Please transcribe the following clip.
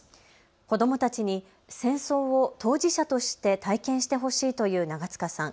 子どもたちに戦争を当事者として体験してほしいという長塚さん。